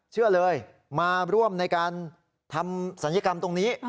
เชื่อเลยมาร่วมในการทำศัลยกรรมตรงนี้